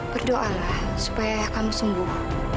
berdoa lah supaya ayah kamu sembuh